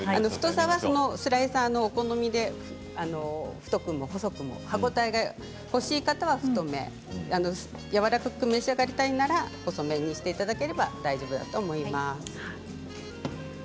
スライサーで、太くも細くも歯応えが欲しい方は太めやわらかく召し上がりたいなら細めにしていただければ大丈夫だと思います。